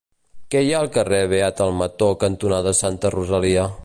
Què hi ha al carrer Beat Almató cantonada Santa Rosalia?